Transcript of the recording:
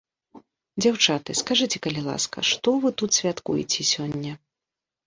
Дзяўчаты, скажыце, калі ласка, што вы тут святкуеце сёння?